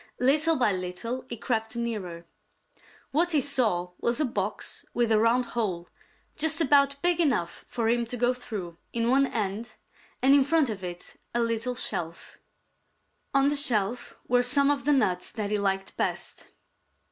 Little by little he crept nearer. What he saw was a box with a round hole, just about big enough for him to go through, in one end, and in front of it a little shelf. On the shelf were some of the nuts that he liked best.